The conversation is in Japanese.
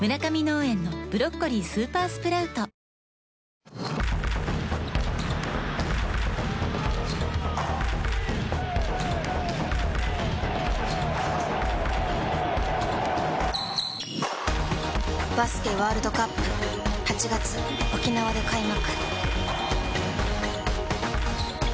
お化けフォーク⁉バスケワールドカップ８月沖縄で開幕